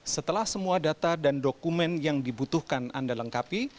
setelah semua data dan dokumen yang dibutuhkan anda lengkapi